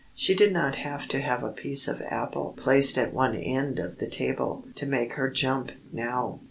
She did not have to have a piece of apple placed at one end of the table to make her jump, now.